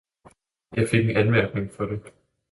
Jeg fik anmærkning for det.